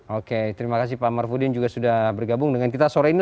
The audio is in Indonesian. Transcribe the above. oke terima kasih pak marfuddin juga sudah bergabung dengan kita sore ini